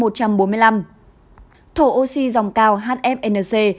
thổ oxy dòng cao hfnc một hai trăm ba mươi tám